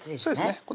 そうですね